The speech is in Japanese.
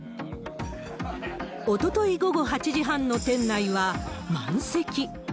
おととい午後８時半の店内は満席。